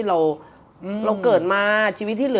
เราเกิดมาชีวิตที่เหลือ